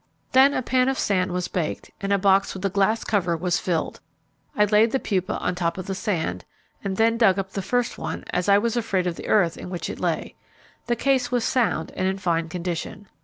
Then a pan of sand was baked, and a box with a glass cover was filled. I laid the pupa on top of the sand, and then dug up the first one, as I was afraid of the earth in which it lay. The case was sound, and in fine condition.